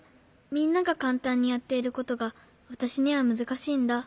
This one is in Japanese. みんながかんたんにやっていることがわたしにはむずかしいんだ。